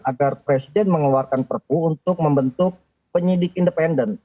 agar presiden mengeluarkan perpu untuk membentuk penyidik independen